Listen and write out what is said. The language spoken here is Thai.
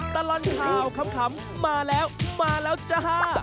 ตลอดข่าวขำมาแล้วมาแล้วจ้า